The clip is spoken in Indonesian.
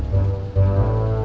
tete aku mau